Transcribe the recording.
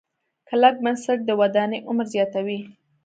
کلک بنسټ د ودانۍ عمر زیاتوي.